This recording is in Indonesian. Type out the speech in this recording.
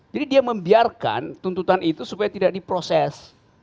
jadi dia membiarkan tuntutan itu supaya tidak diproses